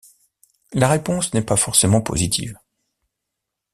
La réponse n'est pas forcément positive.